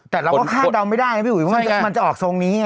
แต่เราก็คาดเดาไม่ได้นะพี่อุ๋ยเพราะมันจะออกทรงนี้ไง